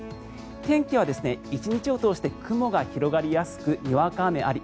天気は１日を通して雲が広がりやすくにわか雨あり。